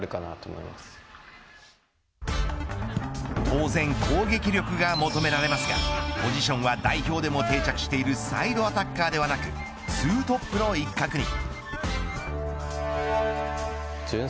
当然攻撃力が求められますがポジションは代表でも定着しているサイドアタッカーではなくツートップの一角に。